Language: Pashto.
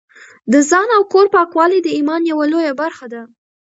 د ځان او کور پاکوالی د ایمان یوه لویه برخه ده.